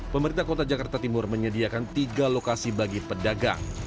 pemerintah kota jakarta timur menyediakan tiga lokasi bagi pedagang